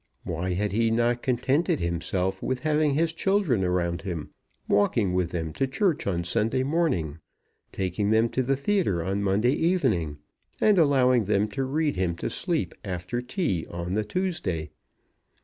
Why had he not contented himself with having his children around him; walking with them to church on Sunday morning, taking them to the theatre on Monday evening, and allowing them to read him to sleep after tea on the Tuesday?